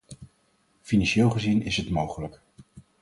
Financieel gezien is het mogelijk.